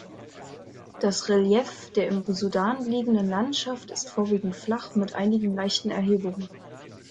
Das Relief der im Sudan liegenden Landschaft ist vorwiegend flach mit einigen leichten Erhebungen.